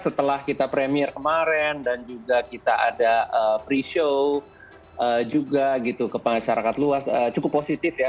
setelah kita premier kemarin dan juga kita ada preshow juga gitu ke masyarakat luas cukup positif ya